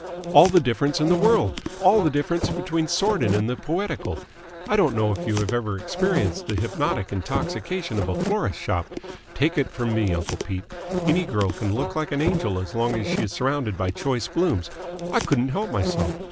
"All the difference in the world, all the difference between the sordid and the poetical. I don't know if you have ever experienced the hypnotic intoxication of a florist's shop? Take it from me, uncle Pete, any girl can look an angel as long as she is surrounded by choice blooms. I couldn't help myself.